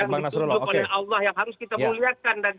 yang harus kita muliakan